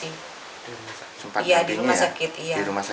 iya di rumah sakit